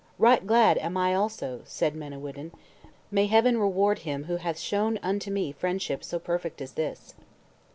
"Right glad am I also," said Manawyddan, "may Heaven reward him who hath shown unto me friendship so perfect as this!"